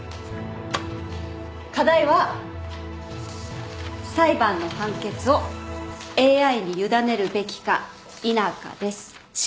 課題は裁判の判決をＡＩに委ねるべきか否かです。